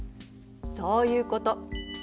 そういうこと。